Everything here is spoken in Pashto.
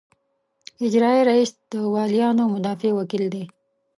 اجرائیه رییس د والیانو مدافع وکیل دی.